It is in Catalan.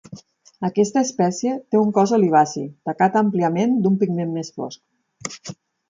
Aquesta espècie té un cos olivaci, tacat àmpliament d'un pigment més fosc.